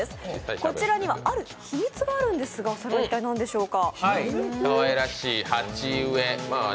こちらにはある秘密があるんですが、それは一体何でしょうか？